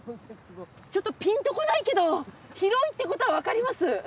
ちょっとピンとこないけど広いってことはわかります。